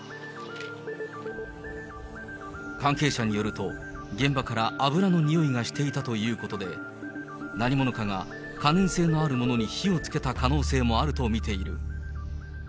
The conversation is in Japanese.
関係者によると、現場から油のにおいがしていたということで、何者かが可燃性のあるものに火をつけた可能性もあると見ている。